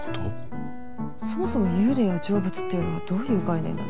そもそも幽霊や成仏っていうのはどういう概念なんですか？